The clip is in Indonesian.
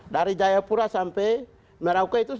dari jayapura sampai merauke itu